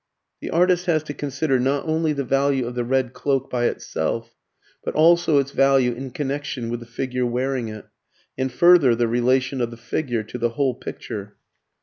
The artist has to consider not only the value of the red cloak by itself, but also its value in connection with the figure wearing it, and further the relation of the figure to the whole picture.